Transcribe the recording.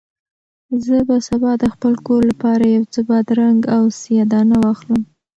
زه به سبا د خپل کور لپاره یو څه بادرنګ او سیاه دانه واخلم.